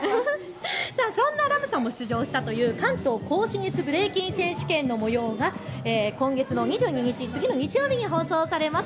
そんなＲＡＭさんも出場したという関東甲信越ブレイキン選手権のもようが今月の２２日、次の日曜日に放送されます。